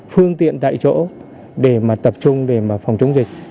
phương tiện tại chỗ để mà tập trung để mà phòng chống dịch